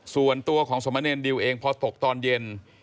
ส่วนตัวของสมเนรดิวเองพอตกตอนเย็น